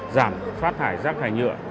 giảm phát thải rác thải nhựa